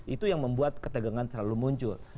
itu yang membuat ketegangan terlalu muncul